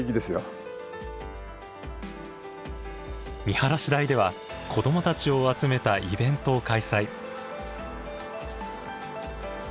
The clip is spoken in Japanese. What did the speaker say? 見晴台では子どもたちを集めたイベントを開催。